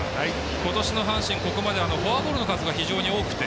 今年の阪神、ここまでフォアボールの数が非常に多くて